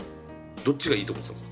どっちがいいと思ってたんですか？